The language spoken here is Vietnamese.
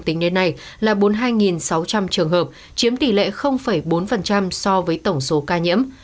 trường hợp tử vong tính đến nay là bốn mươi hai sáu trăm linh trường hợp chiếm tỷ lệ bốn so với tổng số ca nhiễm